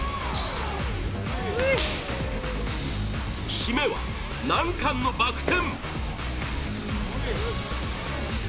締めは難関のバク転！